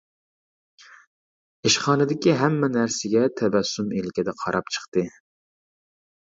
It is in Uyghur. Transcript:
ئىشخانىدىكى ھەممە نەرسىگە تەبەسسۇم ئىلكىدە قاراپ چىقتى.